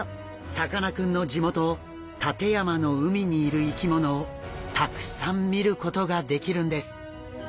さかなクンの地元館山の海にいる生き物をたくさん見ることができるんです。